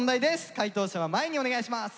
解答者は前にお願いします。